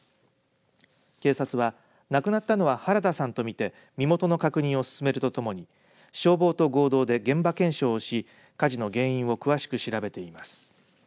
警察は亡くなったのは原田さんと見て身元の確認を進めるとともに消防と合同で現場検証をし火事の原因を詳しく調べています。